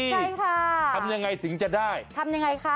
ใช่ค่ะทำยังไงถึงจะได้ทำยังไงคะ